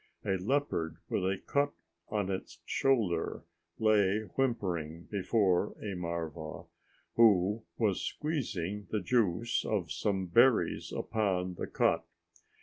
A leopard with a cut on its shoulder lay whimpering before a marva, who was squeezing the juice of some berries upon the cut.